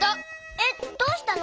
えっどうしたの？